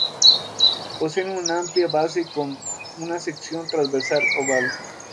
Poseen una amplia base con una sección transversal oval.